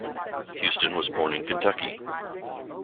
Houston was born in Kentucky.